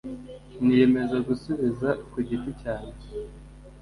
niyemeza gusubiza ku giti cyanjye